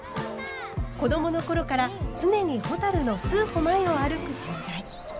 子どもの頃から常にほたるの数歩前を歩く存在。